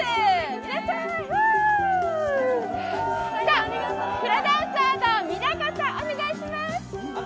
さあ、フラダンサーの皆さん、お願いします。